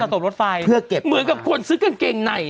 สะสมรถไฟเมื่อกับควรซึ่งกางเกงไหนเนอะ